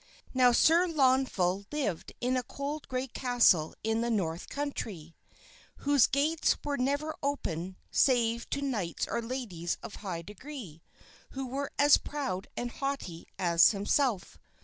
Now, Sir Launfal lived in a cold gray castle in the North Country, whose gates were never opened save to knights or ladies of high degree, who were as proud and haughty as himself.